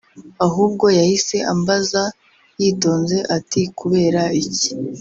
ahubwo yahise ambaza yitonze ati “Kubera iki